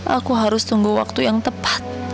aku harus tunggu waktu yang tepat